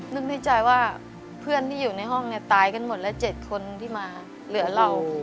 นึกในใจว่าเพื่อนที่อยู่ในห้องเนี่ยตายกันหมดแล้ว๗คนที่มาเหลือเรา